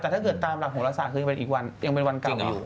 แต่ถ้าเกิดตามหลังของเราสามคือเป็นอีกวันยังเป็นวันเก่าอยู่